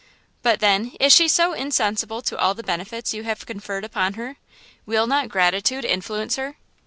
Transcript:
"But, then, is she so insensible to all the benefits you have conferred upon her? Will not gratitude influence her?"